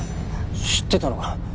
知ってたのか？